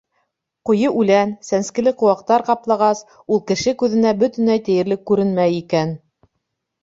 Ҡуйы үлән, сәнскеле ҡыуаҡтар ҡаплағас, ул кеше күҙенә бөтөнләй тиерлек күренмәй икән.